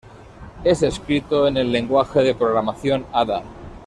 Es escrito en el lenguaje de programación Ada.